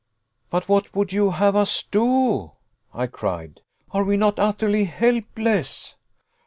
"But what would you have us do?" I cried. "Are we not utterly helpless?"